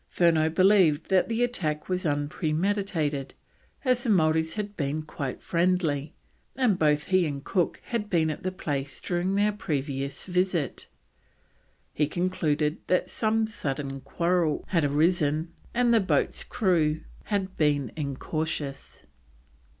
Furneaux believed that the attack was unpremeditated as the Maoris had been quite friendly, and both he and Cook had been at the place during their previous visit. He concluded that some sudden quarrel had arisen and the boat's crew had been incautious.